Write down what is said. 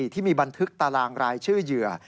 ที่มีบันทึกตารางรายชื่อเหยื่อ